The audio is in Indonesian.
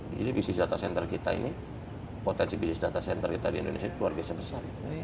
jadi bisnis data center kita ini potensi bisnis data center kita di indonesia itu luar biasa besar